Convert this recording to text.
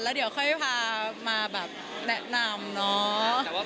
แล้วเดี๋ยวค่อยพามาแบบแนะนำเนาะ